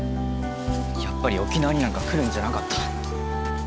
やっぱり沖縄になんか来るんじゃなかった。